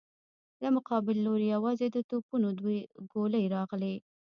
له مقابل لورې يواځې د توپونو دوې ګولۍ راغلې.